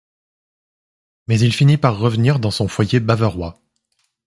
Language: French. Mais il finit par revenir dans son foyer bavarois.